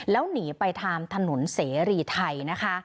แล้วหนีไปทางถนนเสรีไทยนะคะ